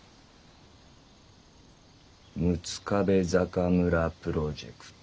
「六壁坂村プロジェクト。